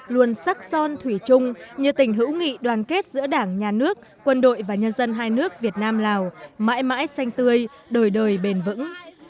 luôn sắc son thủy chung như tình hữu nghị đoàn kết giữa đảng nhà nước quân đội và nhân dân hai nước việt nam lào mãi mãi xanh tươi đời đời bền vững